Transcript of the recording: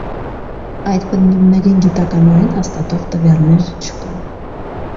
Այդ պնդումների գիտականորեն հաստատող տվյալներ չկան։